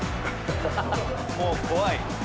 もう怖い。